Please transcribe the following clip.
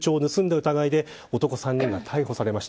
疑いで男３人が逮捕されました。